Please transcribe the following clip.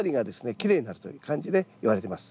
きれいになるという感じでいわれてます。